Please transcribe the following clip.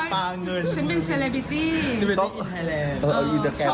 ฉันเป็นเซลบิตี้ในไทยแรง